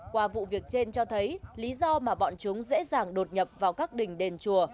qua vụ việc trên cho thấy lý do mà bọn chúng dễ dàng đột nhập vào các đình đền chùa